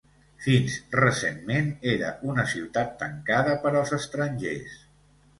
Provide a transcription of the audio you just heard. Fins recentment era una ciutat tancada per als estrangers.